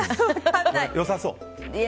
良さそう？